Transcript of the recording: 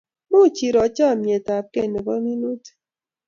Much iro chamet ab kei nebo minutik